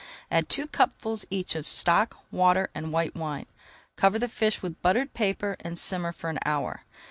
Add two cupfuls each of stock, water, and white wine. Cover the fish with buttered paper and simmer for an hour.